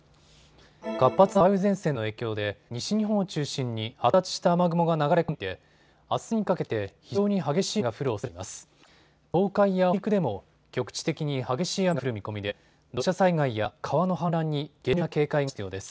活発な梅雨前線の影響で西日本を中心に発達した雨雲が流れ込んでいてあすにかけて非常に激しい雨が降るおそれがあります。